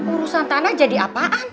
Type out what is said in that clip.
urusan tanah jadi apaan